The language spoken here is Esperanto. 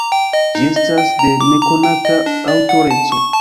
Ĝi estas de nekonata aŭtoreco.